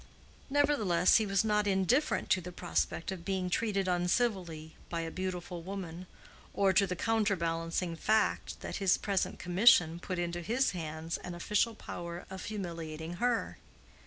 Nevertheless, he was not indifferent to the prospect of being treated uncivilly by a beautiful woman, or to the counterbalancing fact that his present commission put into his hands an official power of humiliating her.